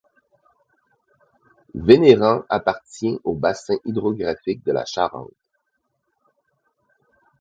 Vénérand appartient au bassin hydrographique de la Charente.